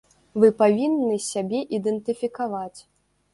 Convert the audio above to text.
Вы павінны сябе ідэнтыфікаваць.